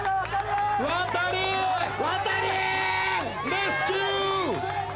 レスキュー！